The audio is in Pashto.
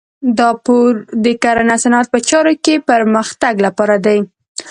دا پور د کرنې او صنعت په چارو کې پرمختګ لپاره دی.